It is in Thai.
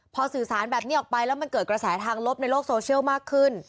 พอสื่อสารแบบนี้ออกไปแล้วมันเกิดกระแสทางลบในโลกโซเชียลมากขึ้น